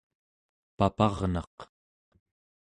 paparnaq